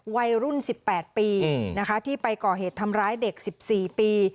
วัยรุ่น๑๘ปีนะคะที่ไปก่อเหตุทำร้ายเด็ก๑๔ปี